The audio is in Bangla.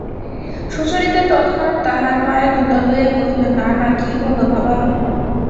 সুচরিতা তৎক্ষণাৎ তাঁহার পায়ের ধুলা লইয়া কহিল, না না, কী বল বাবা!